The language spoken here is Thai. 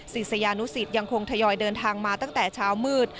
ศิษยานุสิตยังคงทยอยเดินทางมาตั้งแต่เช้ามืด